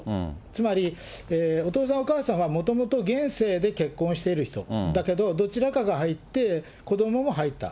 つまりお父さんお母さんはもともと現世で結婚している人だけど、どちらかが入って、子どもも入った。